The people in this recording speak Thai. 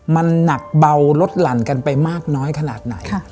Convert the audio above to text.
มันหนักเบาลดหลั่นกันไปมากน้อยขนาดไหน